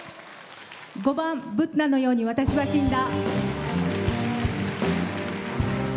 ５番「ブッダのように私は死んだ」。